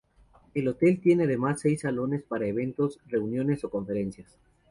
El hotel tiene además seis salones para eventos, reuniones o conferencias.